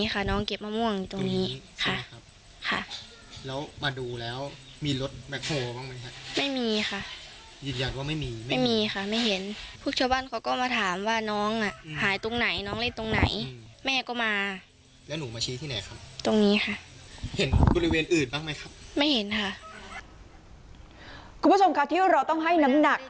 คุณผู้ชมค่ะที่เราต้องให้น้ำหนัก